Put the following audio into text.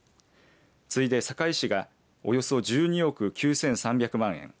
次いで坂井市がおよそ１２億９３００万円